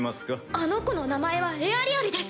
あの子の名前はエアリアルです。